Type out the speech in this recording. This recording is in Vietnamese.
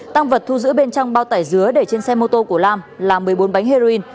tăng vật thu giữ bên trong bao tải dứa để trên xe mô tô của lam là một mươi bốn bánh heroin